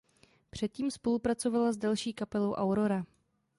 Předtím spolupracovala s další kapelou Aurora.